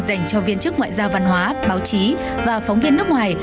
dành cho viên chức ngoại giao văn hóa báo chí và phóng viên nước ngoài